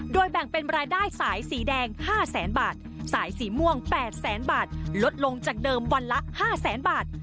โดยแบ่งเป็นรายได้สายสีแดง๕แสนบาทสายสีม่วง๘แสนบาทลดลงจากเดิมวันละ๕แสนบาท